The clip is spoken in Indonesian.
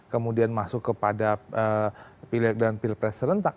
kemudian masuk kepada pileg dan pilpres serentak